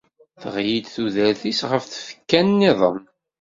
Teɣli-d tudert-is ɣer tfekka-nniḍen.